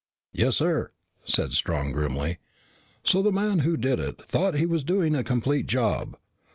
"Yes, sir," said Strong grimly. "So the man who did it thought he was doing a complete job."